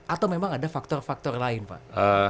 atau memang ada faktor faktor lain pak